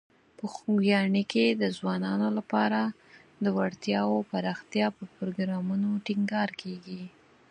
په خوږیاڼي کې د ځوانانو لپاره د وړتیاوو پراختیا پر پروګرامونو ټینګار کیږي.